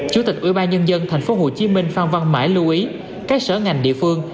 chủ tịch ủy ban nhân dân tp hcm phan văn mãi lưu ý các sở ngành địa phương